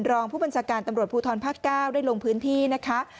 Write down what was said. รองผู้บัญชาการตำรวจภูทรภาค๙ได้ลงพื้นที่นะคะ